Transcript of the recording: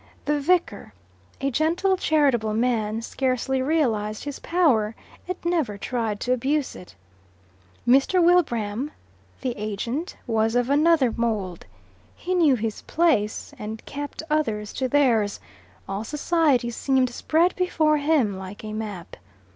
The vicar, a gentle charitable man scarcely realized his power, and never tried to abuse it. Mr. Wilbraham, the agent, was of another mould. He knew his place, and kept others to theirs: all society seemed spread before him like a map.